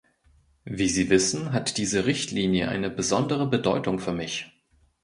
Wie Sie wissen, hat diese Richtlinie eine besondere Bedeutung für mich.